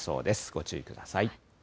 ご注意ください。